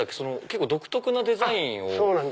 結構独特なデザインを。